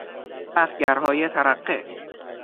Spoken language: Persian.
اخگرهای ترقه